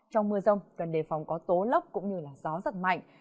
trong mưa rông cần đề phòng có tố lốc cũng như gió giật mạnh